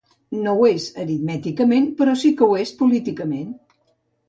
No ho és aritmèticament, però sí que ho és políticament.